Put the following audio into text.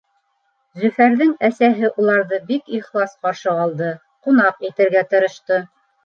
Зөфәрҙең әсәһе уларҙы бик ихлас ҡаршы алды, ҡунаҡ итергә тырышты.